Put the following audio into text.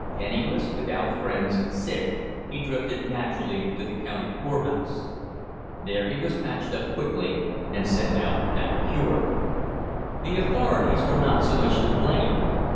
Penniless, without friends, sick, he drifted naturally to the county poorhouse. There he was patched up quickly and sent out half cured. The authorities were not so much to blame.